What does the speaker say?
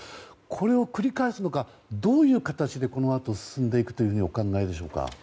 これを繰り返すのかどういう形でこのあと進んでいくとお考えでしょうか。